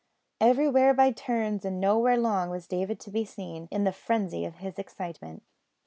Everywhere by turns, and nowhere long, was David to be seen, in the frenzy of his excitement.